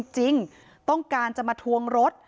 จริงต้องการจะมาทวงรถ